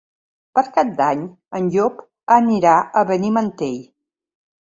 Per Cap d'Any en Llop anirà a Benimantell.